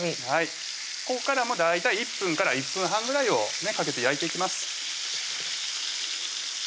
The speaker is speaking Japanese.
ここからも大体１分から１分半ぐらいをかけて焼いていきます